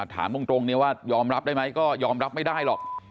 ถามตรงว่ายอมรับได้ไหมก็ยอมรับไม่ได้หรอก